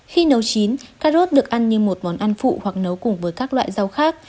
khi nấu chín cà rốt được ăn như một món ăn phụ hoặc nấu cùng với các loại rau khác